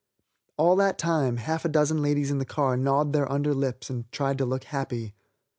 All that time half a dozen ladies in the car gnawed their under lips and tried to look happy.